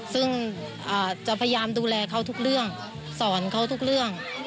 ซึ่งจะพยายามดูแลเขาทุกเรื่องสอนเขาทุกเรื่อง